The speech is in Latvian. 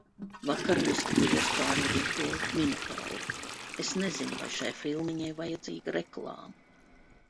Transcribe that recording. Vakar noskatījos Kārļa Vītola Minotauru. Es nezinu vai šai filmiņai vajadzīga reklāma.